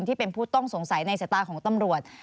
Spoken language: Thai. ที่เป็นผู้ต้องสงสัยในสายตาของตำรวจ